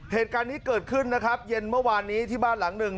เหตุการณ์นี้เกิดขึ้นนะครับเย็นเมื่อวานนี้ที่บ้านหลังหนึ่ง